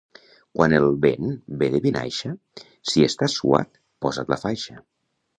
Quan el vent ve de Vinaixa, si estàs suat posa't la faixa.